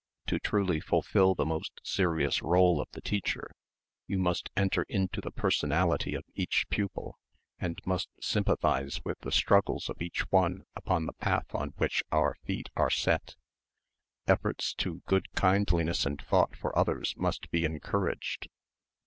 "To truly fulfil the most serious rôle of the teacher you must enter into the personality of each pupil and must sympathise with the struggles of each one upon the path on which our feet are set. Efforts to good kindliness and thought for others must be encouraged.